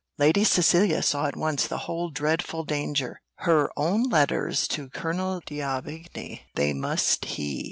Lady Cecilia saw at once the whole dreadful danger her own letters to Colonel D'Aubigny they must he!